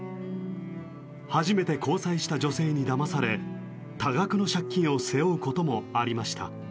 初めて交際した女性にだまされ多額の借金を背負うこともありました。